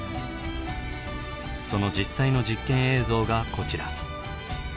その実際の実験映像がこちら。